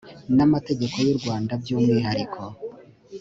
n amategeko y u rwanda by umwihariko